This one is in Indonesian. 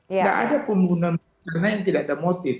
nggak ada penggunaan rencana yang tidak ada motif